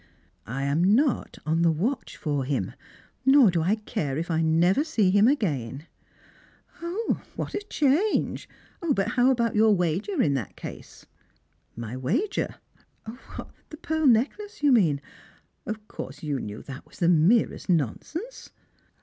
" I am not on the watch for him, nor do I care if I never see him again." " What a change ! But how about your wager in that case P" " My wager ! what, the pearl necklace, you mean ? Of course you knew that was the merest nonsense